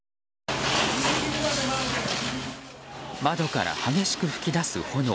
窓から激しく噴き出す炎。